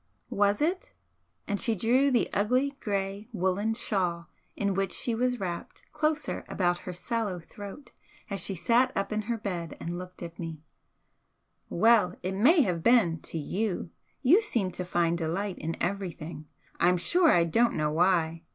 "Was it?" And she drew the ugly grey woollen shawl in which she was wrapped closer about her sallow throat as she sat up in her bed and looked at me "Well, it may have been, to you, you seem to find delight in everything, I'm sure I don't know why!